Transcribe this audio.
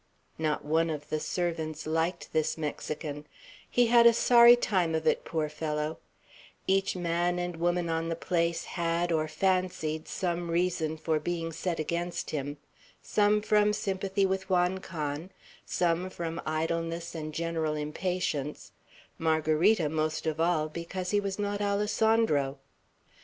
Not one of the servants liked this Mexican; he had a sorry time of it, poor fellow; each man and woman on the place had or fancied some reason for being set against him; some from sympathy with Juan Can, some from idleness and general impatience; Margarita, most of all, because he was not Alessandro.